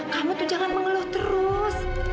kamu tuh jangan mengeluh terus